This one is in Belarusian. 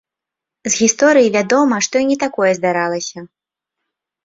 З гісторыі вядома, што і не такое здаралася.